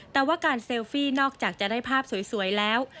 แต่ว่าการเซลฟี่นอกจากจะได้ภาพสวยแล้ว